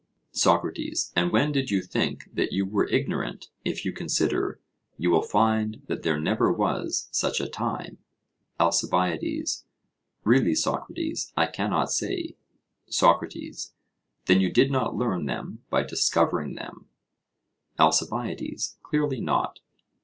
SOCRATES: And when did you think that you were ignorant if you consider, you will find that there never was such a time? ALCIBIADES: Really, Socrates, I cannot say. SOCRATES: Then you did not learn them by discovering them? ALCIBIADES: Clearly not.